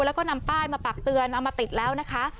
แล้วก็นำป้ายมาปากเตือนเอามาติดแล้วนะคะ